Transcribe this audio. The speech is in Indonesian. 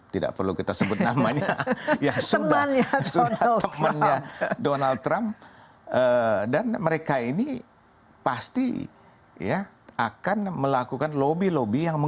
tidak perlu kita sebut namanya